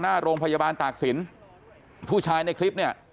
หน้าโรงพยาบาลตากศิลป์ผู้ชายในคลิปเนี่ย